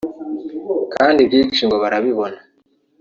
kandi ibyinshi ngo barabibona